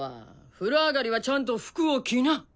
風呂上がりはちゃんと服を着な！